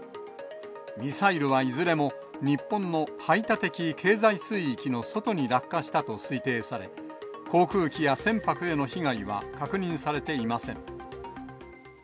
ミサイルはいずれも、日本の排他的経済水域の外に落下したと推定され、航空機や船舶への被害は確認されていません。